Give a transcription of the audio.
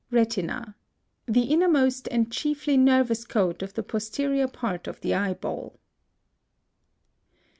RETINA. The innermost and chiefly nervous coat of the posterior part of the eyeball.